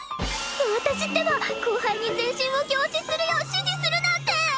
私ってば後輩に全身を凝視するよう指示するなんて！